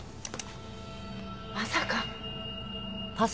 まさか。